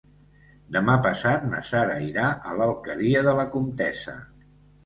Demà passat na Sara irà a l'Alqueria de la Comtessa.